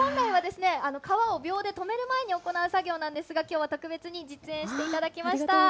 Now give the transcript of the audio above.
本来は皮をびょうで留める前に行う作業なんですが、きょうは特別に実演していただきました。